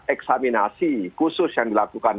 eksaminasi khusus yang dilakukan